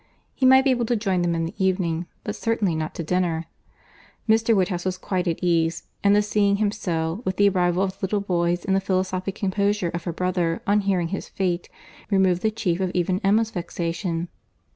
He might be able to join them in the evening, but certainly not to dinner. Mr. Woodhouse was quite at ease; and the seeing him so, with the arrival of the little boys and the philosophic composure of her brother on hearing his fate, removed the chief of even Emma's vexation.